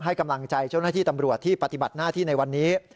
ให้กำลังใจเจ้าหน้าที่ตำรวจที่ปฏิบัติหน้าที่ในวันนี้